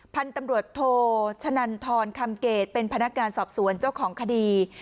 ผ่านตำรวจโทชนันธรคำเกตเป็นพนักงานสอบส่วนจ้องของคดี